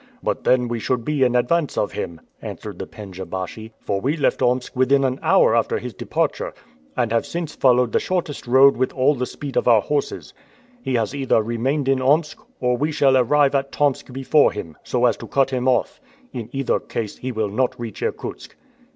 "But then we should be in advance of him," answered the pendja baschi; "for we left Omsk within an hour after his departure, and have since followed the shortest road with all the speed of our horses. He has either remained in Omsk, or we shall arrive at Tomsk before him, so as to cut him off; in either case he will not reach Irkutsk."